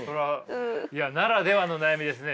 いやならではの悩みですね。